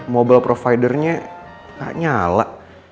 mobile provider nya gak nyala